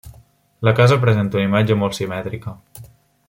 La casa presenta una imatge molt simètrica.